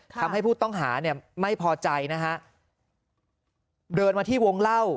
ทำให้ผู้ต้องหาเนี่ยไม่พอใจนะฮะเดินมาที่วงเล่า